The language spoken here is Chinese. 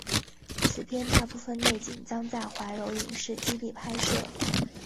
此片大部分内景将在怀柔影视基地拍摄。